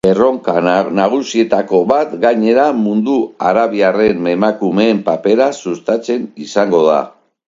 Erronka nagusietako bat, gainera, mundu arabiarrean emakumeen papera sustatzea izango da.